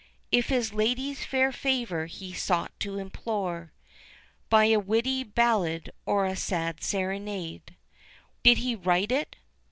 If his lady's fair favour he sought to implore By a witty ballade or a sad serenade Did he write it?